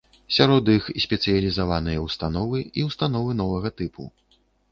Сярод іх спецыялізаваныя ўстановы і ўстановы новага тыпу.